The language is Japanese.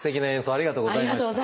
ありがとうございます。